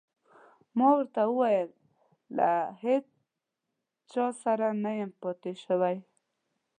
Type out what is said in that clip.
ما ورته وویل: له هیڅ چا سره نه یم پاتې شوی.